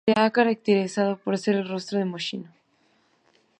Se ha caracterizado por ser el rostro de Moschino.